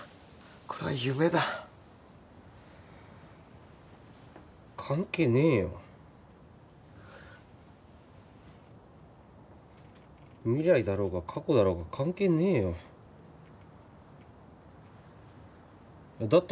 これは夢だ関係ねえよ未来だろうが過去だろうが関係ねえよだって